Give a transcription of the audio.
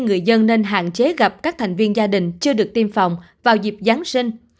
người dân nên hạn chế gặp các thành viên gia đình chưa được tiêm phòng vào dịp giáng sinh